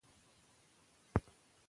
موږ به یو پیاوړی اقتصاد ولرو.